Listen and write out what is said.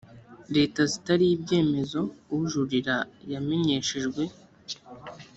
leta zitari ibyemezo ujurira yamenyeshejwe